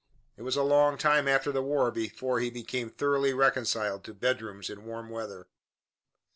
It was a long time after the war before he became thoroughly reconciled to bedrooms in warm weather.